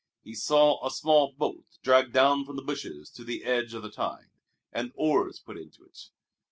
He saw a small boat dragged down from the bushes to the edge of the tide, and oars put into it.